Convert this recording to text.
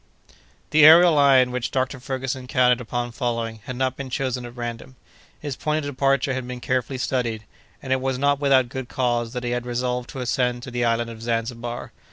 The aërial line which Dr. Ferguson counted upon following had not been chosen at random; his point of departure had been carefully studied, and it was not without good cause that he had resolved to ascend at the island of Zanzibar.